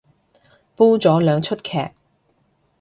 煲咗兩齣劇